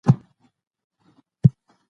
کوچنیان هم کولای سي ورڅخه زده کړه وکړي.